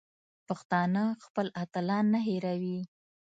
پښتانه خپل اتلان نه هېروي.